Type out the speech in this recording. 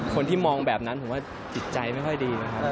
คนที่มองแบบนั้นผมว่าจิตใจไม่ค่อยดีนะครับ